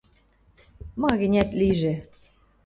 Ма-гӹнят лижӹ!